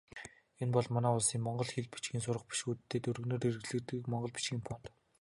Энэ бол манай улсын монгол хэл, бичгийн сурах бичгүүдэд өргөнөөр хэрэглэдэг монгол бичгийн фонт.